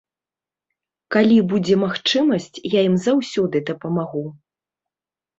Калі будзе магчымасць, я ім заўсёды дапамагу.